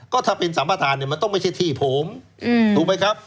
ก็ถ้าเป็นสัมประธานเนี่ยมันต้องไม่ใช่ที่ผมถูกไหมครับ